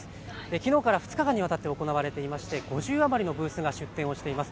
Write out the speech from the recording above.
昨日から２日間にわたって行われていまして、５０余りのブースが出展をしています。